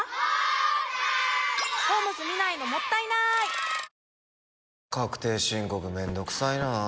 Ｎｏ．１確定申告めんどくさいな。